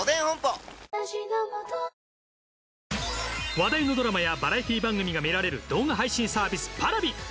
話題のドラマやバラエティー番組が見られる動画配信サービスＰａｒａｖｉ。